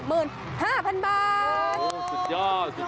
สุดยอดสุดยอด